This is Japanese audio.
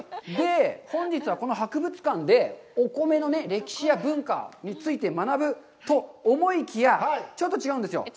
本日は、この博物館でお米の歴史や文化について学ぶと思いきや、ちょっと違うんですよ。